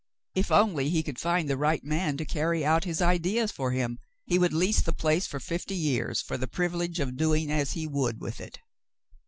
If only he could find the right man to carry out his ideas for him, he would lease the place for fifty years for the privilege of doing as he would with it.